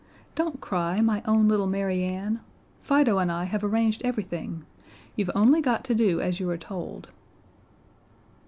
Don't cry, my own little Mary Ann! Fido and I have arranged everything. You've only got to do as you are told."